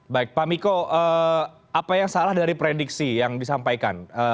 baik pak miko apa yang salah dari prediksi yang disampaikan